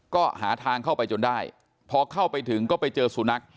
ก็หาทางเข้าไปจนได้พอเข้าไปถึงก็ไปเจอสุนัข